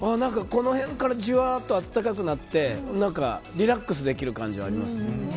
この辺からじわっと温かくなってリラックスできる感じはあります。